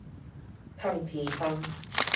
迵天芳